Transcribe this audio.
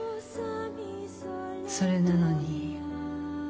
それなのに。